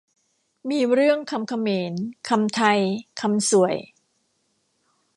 มีเรื่องคำเขมร คำไทย คำส่วย